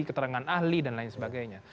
keterangan ahli dan lain sebagainya